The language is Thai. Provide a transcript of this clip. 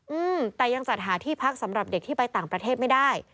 อืมแต่ยังจัดหาที่พักสำหรับเด็กที่ไปต่างประเทศไม่ได้